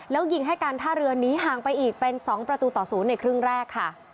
แล้วยิงให้การท่าเรือนี้ห่างไปอีกเป็น๒ประตูต่อ๐ในครึ่งแรกค่ะ